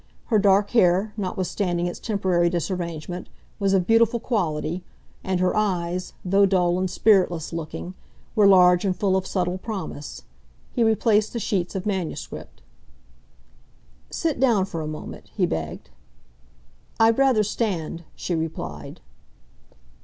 Her dark hair, notwithstanding its temporary disarrangement, was of beautiful quality, and her eyes, though dull and spiritless looking, were large and full of subtle promise. He replaced the sheets of manuscript. "Sit down for a moment," he begged. "I'd rather stand," she replied.